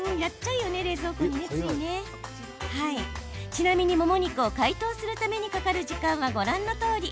ちなみに、もも肉を解凍するためにかかる時間はご覧のとおり。